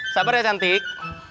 sabar ya cantik